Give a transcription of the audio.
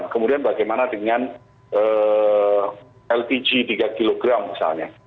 kemudian bagaimana dengan lpg tiga kg misalnya